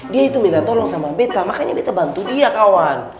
dia itu minta tolong sama beta makanya beta bantu dia kawan